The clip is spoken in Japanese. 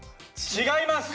違います！